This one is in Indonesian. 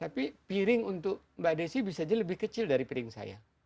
tapi piring untuk mbak desi bisa jadi lebih kecil dari piring saya